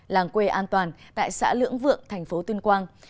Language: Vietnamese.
làng quê an toàn tại xã lưỡng vượng thành phố tuyên quang